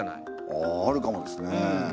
ああるかもですね。